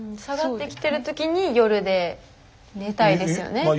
下がってきてるときに夜で寝たいですよね。